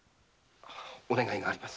お願いがあります。